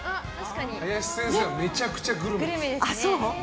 林先生はめちゃくちゃグルメです。